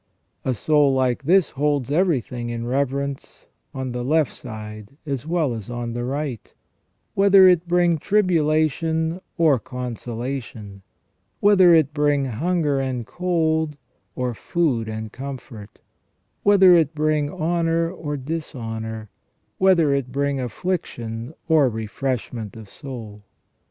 A soul like this holds everything in reverence, on the left side as well as on the right ; whether it bring tribulation 13 194 ON EVIL AND THE ORIGIN OF EVIL. or consolation; whether it bring hunger and cold or food and comfort ; whether it bring honour or dishonour ; whether it bring affliction or refreshment of soul.